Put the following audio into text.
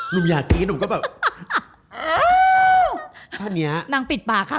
นางการหักปิดปาก